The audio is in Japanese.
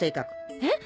えっ？